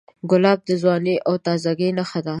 ګلاب د ځوانۍ او تازهګۍ نښه ده.